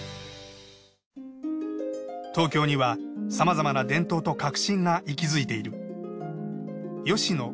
東京にはさまざまな伝統と革新が息づいている。